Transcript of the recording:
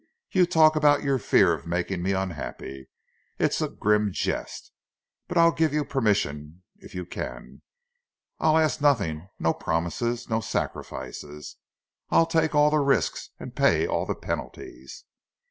You talk about your fear of making me unhappy; it's a grim jest—but I'll give you permission, if you can! I'll ask nothing—no promises, no sacrifices! I'll take all the risks, and pay all the penalties!"